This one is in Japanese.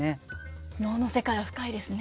能の世界は深いですね。